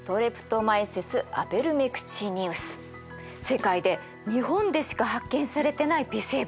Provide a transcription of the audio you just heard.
世界で日本でしか発見されてない微生物。